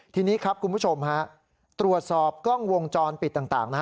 ทีนี้ครับคุณผู้ชมฮะตรวจสอบกล้องวงจรปิดต่าง